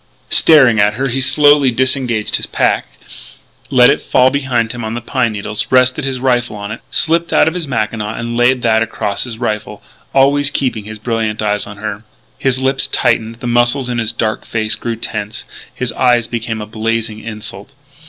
Staring at her he slowly disengaged his pack, let it fall behind him on the pine needles; rested his rifle on it; slipped out of his mackinaw and laid that across his rifle always keeping his brilliant eyes on her. His lips tightened, the muscles in his dark face grew tense; his eyes became a blazing insult.